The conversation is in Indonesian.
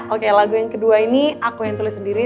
oke lagu yang kedua ini aku yang tulis sendiri